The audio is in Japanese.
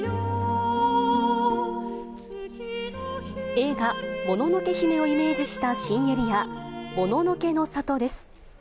映画、もののけ姫をイメージした新エリア、もののけの里です。